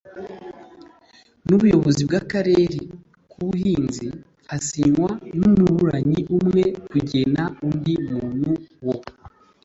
n Ubuyobozi bw Akarere k Ubuhinzi hasinywa n umuburanyi umwe kugena undi muntu wo